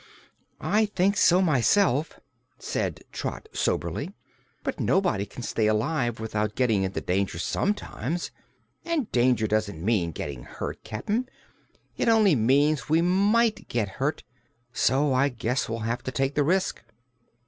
"I think so, myself," said Trot soberly. "But nobody can stay alive without getting into danger sometimes, and danger doesn't mean getting hurt, Cap'n; it only means we might get hurt. So I guess we'll have to take the risk."